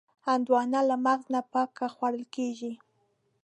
هندوانه له مغز نه پاکه خوړل کېږي.